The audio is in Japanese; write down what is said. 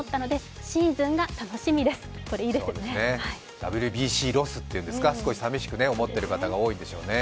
ＷＢＣロスっていうんですか少しさみしく思っている方が多いんでしょうね。